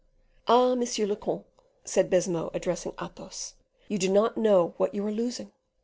"Ah! monsieur le comte," said Baisemeaux addressing Athos, "you do not know what you are losing.